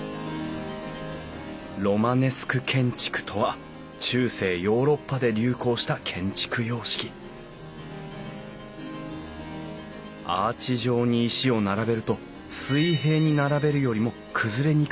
ロマネスク建築とは中世ヨーロッパで流行した建築様式アーチ状に石を並べると水平に並べるよりも崩れにくくなる。